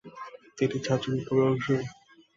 তিনি ছাত্রবিক্ষোভে অংশ নেন।